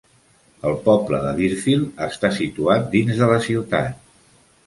El poble de Deerfield està situat dins de la ciutat.